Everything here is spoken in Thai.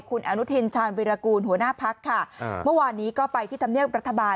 คุณอนุทินชาญวิรากูลหัวหน้าพักค่ะเมื่อวานนี้ก็ไปที่ธรรมเนียบรัฐบาล